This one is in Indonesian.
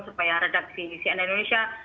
supaya redaksi cnn indonesia